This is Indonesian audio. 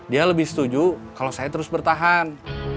dia lebih setuju kalau saya terus bertahan